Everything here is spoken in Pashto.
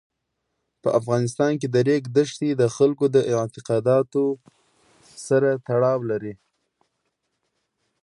په افغانستان کې د ریګ دښتې د خلکو د اعتقاداتو سره تړاو لري.